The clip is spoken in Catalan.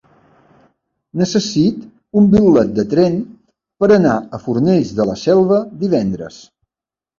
Necessito un bitllet de tren per anar a Fornells de la Selva divendres.